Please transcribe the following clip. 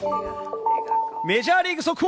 メジャーリーグ速報！